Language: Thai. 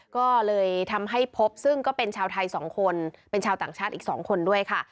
ก็เลยทำให้พบซึ่งก็เป็นชาวไทย๒คนเป็นชาวต่างชาติอีก๒คนด้วยค่ะ